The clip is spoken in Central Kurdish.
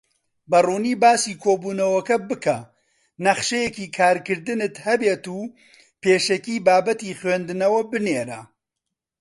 بەڕوونی باسی کۆبوونەوەکە بکە، نەخشەیەکی کارکردنت هەبێت، و پێشەکی بابەتی خویندنەوە بنێرە.